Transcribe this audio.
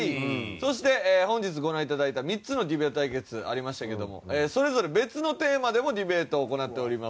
そして本日ご覧頂いた３つのディベート対決ありましたけれどもそれぞれ別のテーマでもディベートを行っております。